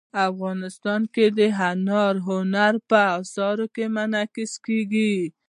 افغانستان کې انار د هنر په اثار کې منعکس کېږي.